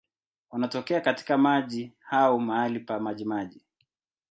Wanatokea katika maji au mahali pa majimaji.